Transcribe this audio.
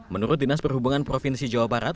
menurut dinas perhubungan provinsi jawa barat